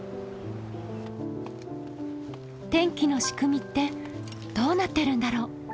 天気の仕組みってどうなってるんだろう？